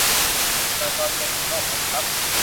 เปิดดอนเมืองอีกรอบไหมครับ ?